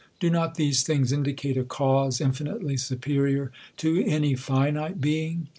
Do not these things indicate a Cause infinitely superiour to any finite being